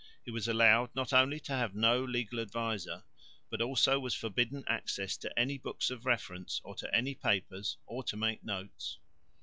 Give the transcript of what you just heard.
He was allowed not only to have no legal adviser, but also was forbidden access to any books of reference or to any papers or to make any notes.